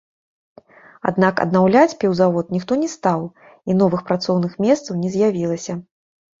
Аднак аднаўляць піўзавод ніхто не стаў, і новых працоўных месцаў не з'явілася.